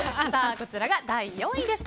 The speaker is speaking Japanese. こちらが第４位でした。